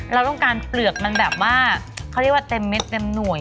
เราต้องการเปลือกมันแบบว่าเขาเรียกว่าเต็มเม็ดเต็มหน่วย